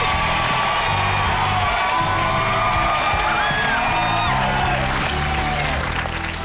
ถูกครับ